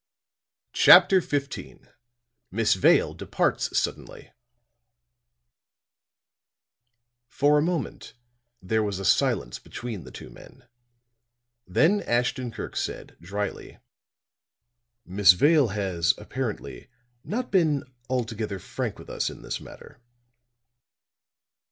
CHAPTER XV MISS VALE DEPARTS SUDDENLY For a moment there was a silence between the two men; then Ashton Kirk said, dryly: "Miss Vale has, apparently, not been altogether frank with us in this matter."